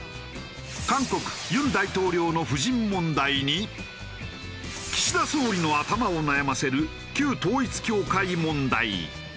韓国尹大統領の夫人問題に岸田総理の頭を悩ませる旧統一教会問題。